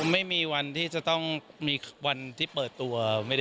ไม่มีวันที่จะต้องมีวันที่เปิดตัว